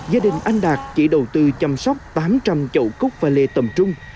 gia đình anh đạt chỉ đầu tư chăm sóc tám trăm linh chậu cúc và lê tầm trung